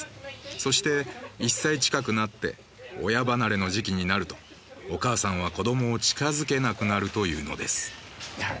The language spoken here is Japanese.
そして、１歳近くなって親離れの時期になるとお母さんは子供を近づけなくなるというのです。